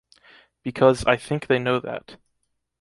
Because I think they know that.